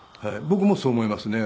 僕もそう思いますね。